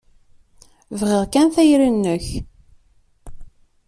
Bɣiɣ kan tayri-nnek.